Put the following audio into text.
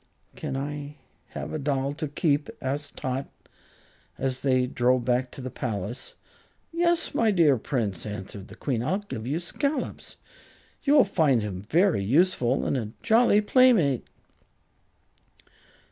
"Can't I have a doll to keep?" asked Tot, as they drove back to the palace. "Yes, my dear Prince," answered the Queen. "I'll give you Scollops. You will find him very useful and a jolly playmate."